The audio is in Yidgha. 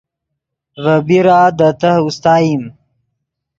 ڤے بیرا دے تہہ اوستائیم